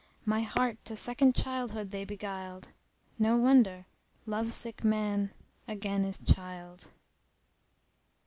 My heart to second childhood they beguiled * No wonder: love sick man again is child!